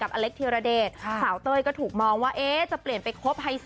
แบบนี้